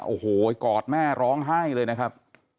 โอ้โหกอดแม่ร้องไห้เลยนะครับ